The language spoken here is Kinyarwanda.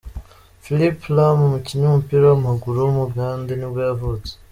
Philipp Lahm, umukinnyi w’umupira w’amaguru w’umugade nibwo yavutse.